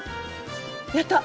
やった！